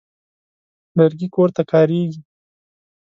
لرګي کور ته کارېږي.